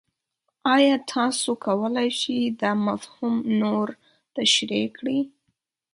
ایا تاسو کولی شئ دا مفهوم نور تشریح کړئ؟